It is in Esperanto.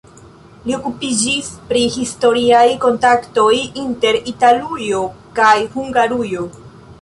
Li okupiĝis pri historiaj kontaktoj inter Italujo kaj Hungarujo.